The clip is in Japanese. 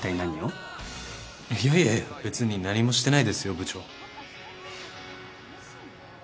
いやいや別に何もしてないですよ部長。